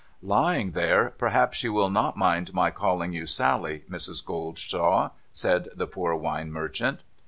' Lying here, perhaps you will not mind my calling you Sally, Mrs. Goldstraw ?' said the poor wine merchant.